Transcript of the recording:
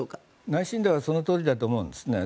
内心ではそのとおりだと思うんですね。